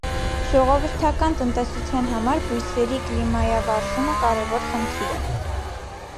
Ժողովրդական տնտեսության համար բույսերի կլիմայավարժումը կարևոր խնդիր է։